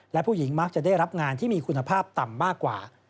และผู้หญิงมักจะได้รับงานที่มีคุณภาพต่ำมากกว่า